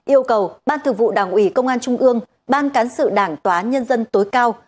yêu cầu ban thường vụ đảng ủy công an trung ương ban cán sự đảng tòa án nhân dân tối cao